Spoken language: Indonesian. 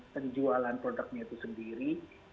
penjualan produknya itu sendiri